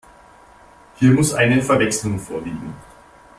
Hier muss eine Verwechslung vorliegen.